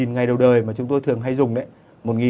ngày đầu đời mà chúng tôi thường hay dùng đấy